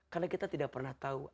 karena kita tidak pernah tahu